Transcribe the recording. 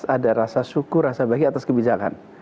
ada rasa syukur rasa bahagia atas kebijakan